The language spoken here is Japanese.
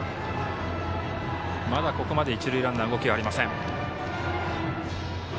まだここまで一塁ランナー動きはありません。